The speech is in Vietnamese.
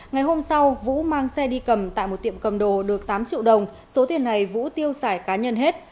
ngày hôm sau vũ mang xe đi cầm tại một tiệm cầm đồ được tám triệu đồng số tiền này vũ tiêu xài cá nhân hết